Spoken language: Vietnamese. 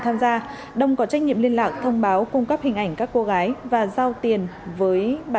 tham gia đông có trách nhiệm liên lạc thông báo cung cấp hình ảnh các cô gái và giao tiền với bà